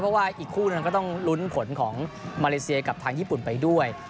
เพราะว่าอีกคู่หนึ่งก็ต้องลุ้นผลของมาเลเซียกับทางญี่ปุ่นไปด้วย